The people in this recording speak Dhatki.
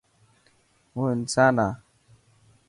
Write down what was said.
هون انسان هان.